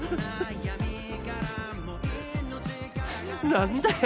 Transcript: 何だよ